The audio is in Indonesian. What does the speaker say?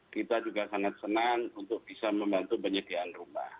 kita juga sangat senang untuk bisa membantu penyediaan rumah